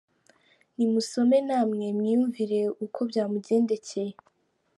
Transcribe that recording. Ni musome namwe mwiyumvire uko byamugendekeye.